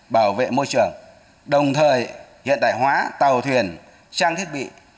bảo vệ môi trường đồng thời hiện đại hóa tàu thuyền trang thiết bị